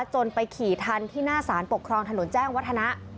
จนไปขี่ทันที่หน้าสารปกครองถนนแจ้งวัฒนะ